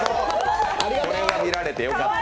これが見られてよかった。